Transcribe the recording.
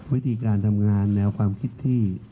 วิธีการทำงานแนวความคิดที่